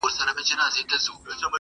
غوجله د عمل ځای ټاکل کيږي او فضا تياره,